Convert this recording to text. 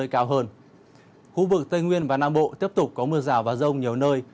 khu vực tây nguyên và nam bộ tiếp tục có mưa rào và rông nhiều nơi